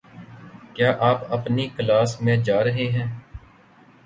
کیا آپ اپنی کلاس میں جا رہے ہیں؟